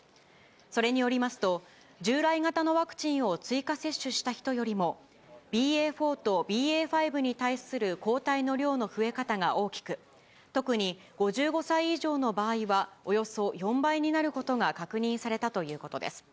それによりますと、従来型のワクチンを追加接種した人よりも、ＢＡ．４とＢＡ．５に対応した抗体の量の増え方が大きく、特に５５歳以上の場合は、およそ４倍になることが確認されたということです。